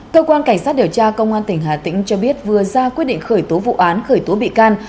cơ quan cảnh sát điều tra công an tỉnh hà tĩnh cho biết vừa ra quyết định khởi tố vụ án khởi tố bị can